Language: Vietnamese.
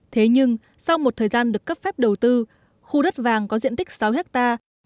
thế nhưng sau một thời gian được cấp phép đầu tư khu đất vàng có diện tích sáu hectare